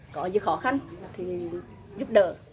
có những khó khăn thì giúp đỡ